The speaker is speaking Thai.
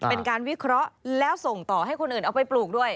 เป็นการวิเคราะห์แล้วส่งต่อให้คนอื่นเอาไปปลูกด้วย